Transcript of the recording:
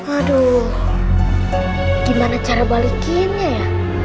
aduh gimana cara balikinnya ya